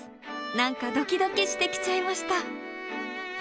何かドキドキしてきちゃいました。